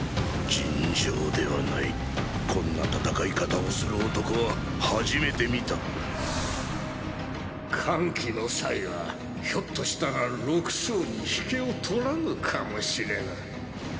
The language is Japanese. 尋常ではないこんな戦い方をする男は初めて見た桓騎の才はひょっとしたら六将にひけをとらぬかもしれぬ。！